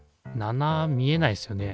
７見えないですよね。